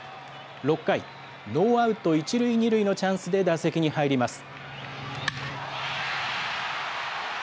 ６回、ノーアウト１塁２塁のチャンスで打席に入ります。